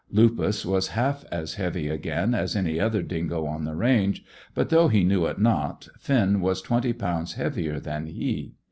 Lupus was half as heavy again as any other dingo on the range, but, though he knew it not, Finn was twenty pounds heavier than he.